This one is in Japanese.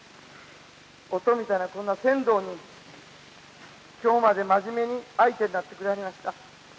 於兎みたいなこんな船頭に今日まで真面目に相手になってくれはりました。